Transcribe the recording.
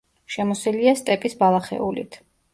შემოსილია სტეპის ბალახეულით.